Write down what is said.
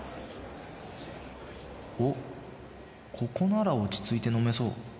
おっここなら落ち着いて飲めそう